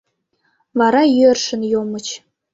Вара йӧршын йомыч.